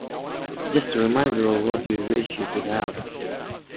It's just a reminder of what you wish you could have.